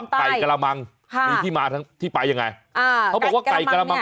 ไก่กระมังค่ะมีที่มาทั้งที่ไปยังไงอ่าเขาบอกว่าไก่กระมัง